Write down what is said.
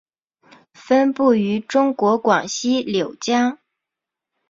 分布于中国广西柳江。